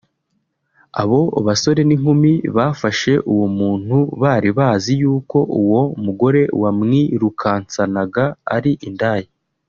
Abo basore n’inkumi bafashe uwo muntu bari bazi yuko uwo mugore wamwirukansanaga ari indaya